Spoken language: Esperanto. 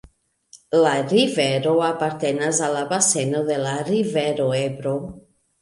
La rivero apartenas al la baseno de la rivero Ebro.